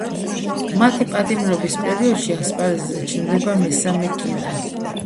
მათი პატიმრობის პერიოდში ასპარეზზე ჩნდება მესამე კირა.